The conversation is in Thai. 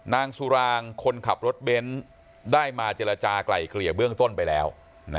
นางสุรางคนขับรถเบ้นได้มาเจรจากลายเกลี่ยเบื้องต้นไปแล้ว